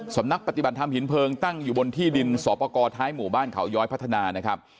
สำนักปฏิบัติธรรมหินเพลิงตั้งอยู่บนที่ดินสอปกรท้ายหมู่บ้านเขาย้อยพัฒนานะครับ